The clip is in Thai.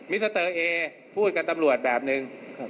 สเตอร์เอพูดกับตำรวจแบบนึง